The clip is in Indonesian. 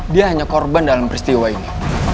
dia hanya korban dalam peristiwa ini